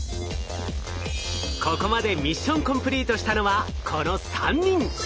ここまでミッションコンプリートしたのはこの３人。